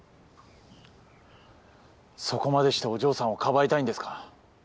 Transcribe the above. そこまでしてお嬢さんをかばいたいんですか。